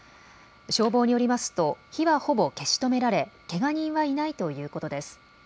消防によりますと火はほぼ消し止められけが人はいないということです。